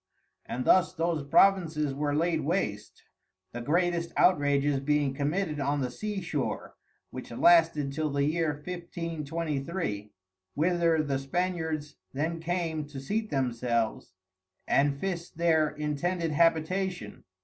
And thus those Provinces were laid waste, the greatest Outrages being committed on the Sea shore, which lasted till the Year 1523, whither the Spaniards then came to seat themselves, and fis their intended Habitation.